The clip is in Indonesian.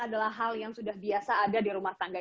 adalah hal yang sudah biasa ada di rumah tangga